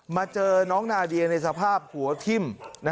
มาเจอน้องนาเดียในสภาพหัวทิ้ม